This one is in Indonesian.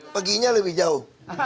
paginya lebih jauh